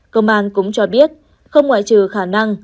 công an cũng cho biết không ngoại trừ khả năng